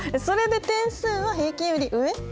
それで点数は平均より上？